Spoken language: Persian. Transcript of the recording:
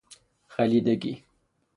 خلیدگی